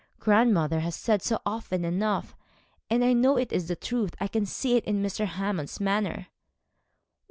Grandmother has said so often enough, and I know it is the truth. I can see it in Mr. Hammond's manner.'